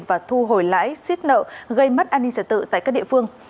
và thu hồi lãi xiết nợ gây mất an ninh trật tự tại các địa phương